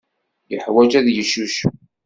Yeḥwaj ad yeccucef.